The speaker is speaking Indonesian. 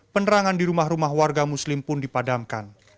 penerangan di rumah rumah warga muslim pun dipadamkan